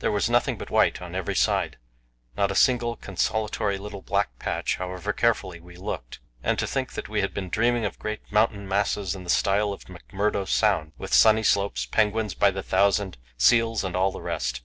There was nothing but white on every side, not a single consolatory little black patch, however carefully we looked. And to think that we had been dreaming of great mountain masses in the style of McMurdo Sound, with sunny slopes, penguins by the thousand, seals and all the rest!